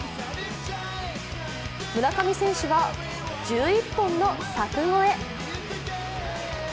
村上選手は１１本の柵越え。